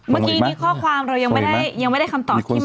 เมื่อกี้มีข้อความเรายังไม่ได้คำตอบที่มาก